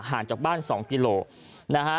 จากบ้าน๒กิโลนะฮะ